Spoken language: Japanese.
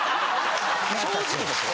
正直ですよ。